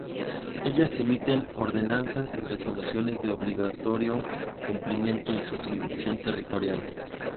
Ellas emiten ordenanzas y resoluciones de obligatorio cumplimiento en su jurisdicción territorial.